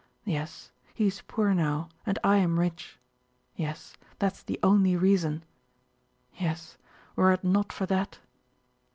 "Yes, he is poor now and I am rich.... Yes, that's the only reason.... Yes, were it not for that..."